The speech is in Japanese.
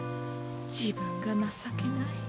自分が情けない。